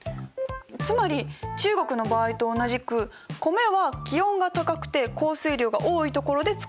つまり中国の場合と同じく米は気温が高くて降水量が多いところで作られる。